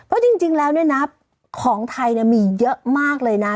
ก็จริงแล้วเนี่ยนะของไทยมีเยอะมากเลยนะ